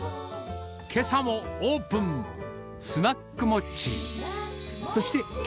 けさもオープン、スナックモッチー。